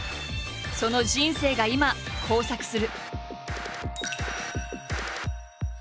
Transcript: その人生が今交錯する。